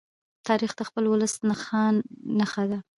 تاریخ د خپل ولس نښان نښه کوي.